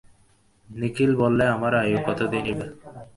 নিখিল বললে, আমার আয়ু কতদিনই বা?